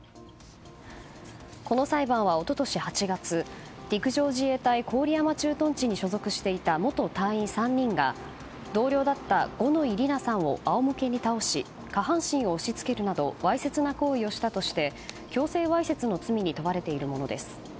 この裁判は一昨年８月陸上自衛隊郡山駐屯地に所属していた元隊員３人が同僚だった五ノ井里奈さんを仰向けに倒し下半身を押し付けるなどわいせつな行為をしたとして強制わいせつの罪に問われているものです。